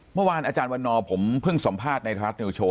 เมื่อวานอาจารย์วันนอร์ผมเพิ่งสัมภาษณ์ในรัฐนิวโชว